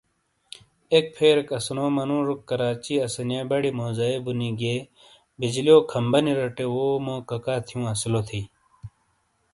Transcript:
ایک پھیریک اسونو منُوجوک کراچی اسانیئے بڈیئیے موزائیے بُونی گیئے بجلیو کھمبہ نی رٹے وو مو ککا تھیوں اسیلو تھی۔